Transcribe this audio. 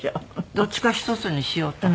どっちか１つにしようと。